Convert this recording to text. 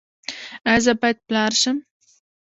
ایا زه باید پلار شم؟